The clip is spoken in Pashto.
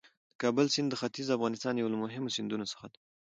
د کابل سیند د ختیځ افغانستان یو له مهمو سیندونو څخه دی.